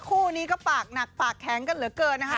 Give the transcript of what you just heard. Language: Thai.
คู่นี้ก็ปากหนักปากแข็งกันเหลือเกินนะคะ